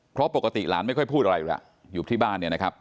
เพราะปกติหลานไม่ค่อยพูดอะไรอยู่ที่บ้านนะครับ